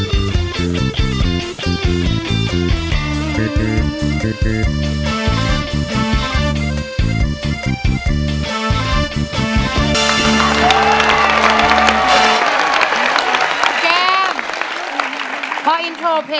เต้นรัวเลยกัน